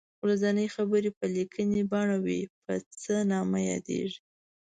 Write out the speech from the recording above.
ورځنۍ خبرې په لیکنۍ بڼه وي په څه نامه یادیږي.